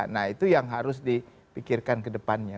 nah itu yang harus dipikirkan kedepannya